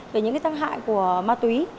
về những cái thân hại của ma túy